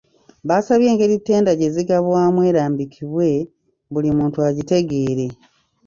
Baasabye engeri ttenda gye zigabwaamu erambikibwe, buli muntu agitegeere.